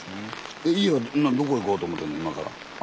家はどこ行こうと思ってんねん今から。